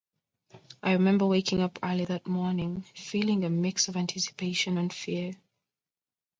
I remember waking up early that morning, feeling a mix of anticipation and fear.